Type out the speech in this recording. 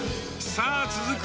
さあ続く